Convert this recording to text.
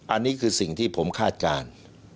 อันนี้คือสิ่งที่ผมคาดการณ์